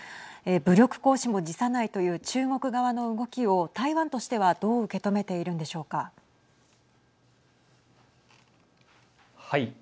武力行使も辞さないという中国側の動きを台湾としてはどう受け止めているんはい。